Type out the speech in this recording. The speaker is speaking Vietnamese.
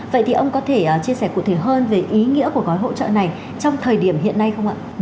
vậy thì ông có thể chia sẻ cụ thể hơn về ý nghĩa của gói hỗ trợ này trong thời điểm hiện nay không ạ